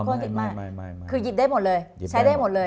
คือหยิบได้หมดเลยใช้ได้หมดเลย